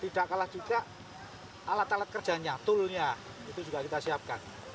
tidak kalah juga alat alat kerjanya toolnya itu juga kita siapkan